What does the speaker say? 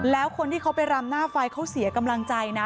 แล้วคนที่เขาไปรำหน้าไฟเขาเสียกำลังใจนะ